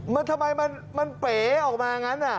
มันทำไมมันเป๋อออกมาอย่างนั้นน่ะ